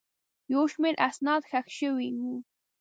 یو شمېر اسناد ښخ شوي وو.